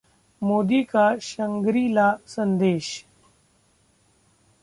मोदी का शंगरी-ला संदेश